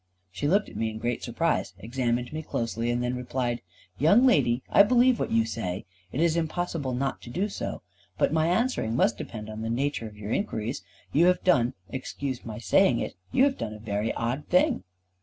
She looked at me in great surprise, examined me closely, and then replied: "Young lady, I believe what you say. It is impossible not to do so. But my answering you must depend on the nature of your inquiries. You have done, excuse my saying it, you have done a very odd thing."